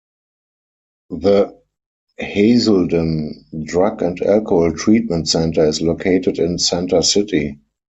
The Hazelden drug and alcohol treatment center is located in Center City.